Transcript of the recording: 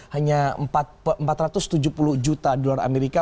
hanya empat ratus tujuh puluh juta dolar amerika